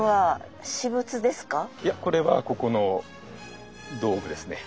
いやこれはここの道具ですね。